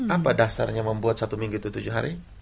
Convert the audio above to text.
apa dasarnya membuat satu minggu itu tujuh hari